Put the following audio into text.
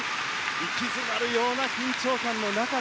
息詰まるような緊張感の中で。